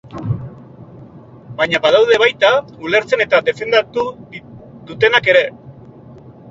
Baina badaude baita ulertzen eta defendatu dutenak ere.